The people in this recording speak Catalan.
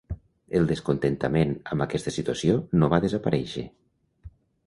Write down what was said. El descontentament amb aquesta situació no va desaparèixer.